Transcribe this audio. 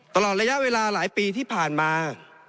ตลอดระยะเวลาหลายปีที่ผ่านมา